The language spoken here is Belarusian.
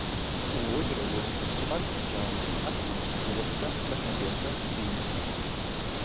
У возеры водзяцца шчупак звычайны, акунь, плотка, краснапёрка, лінь.